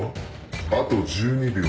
あと１２秒。